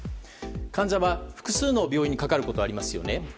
患者は複数の病院にかかることがありますよね。